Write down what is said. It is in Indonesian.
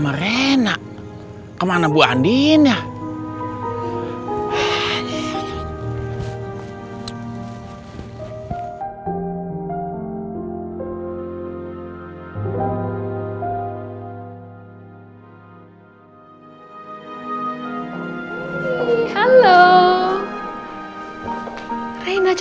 nah sekarang kamu istirahat